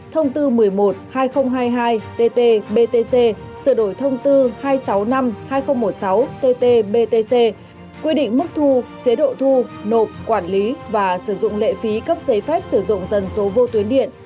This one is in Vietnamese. thông tư một mươi một hai nghìn hai mươi hai tt btc sửa đổi thông tư hai trăm sáu mươi năm hai nghìn một mươi sáu tt btc quy định mức thu chế độ thu nộp quản lý và sử dụng lệ phí cấp giấy phép sử dụng tần số vô tuyến điện